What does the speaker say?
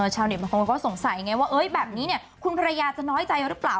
ชาวเน็ตบางคนก็สงสัยไงว่าแบบนี้เนี่ยคุณภรรยาจะน้อยใจหรือเปล่า